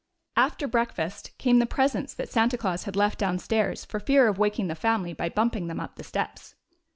After breakfast came the 37 GYPSY, THE TALKING DOG presents that Santa Claus had left downstairs for fear of waking the family by bumping them up the steps.